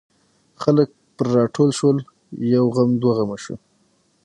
خلک پر راټول شول یو غم دوه شو.